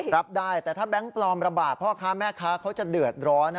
รับได้แต่ถ้าแบงค์ปลอมระบาดพ่อค้าแม่ค้าเขาจะเดือดร้อน